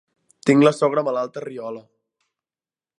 Tinc la sogra malalta a Riola.